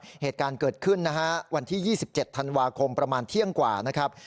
เหตุการณ์เกิดขึ้นนะฮะวันที่๒๗ธันวาคมประมาณเที่ยงกว่านะครับ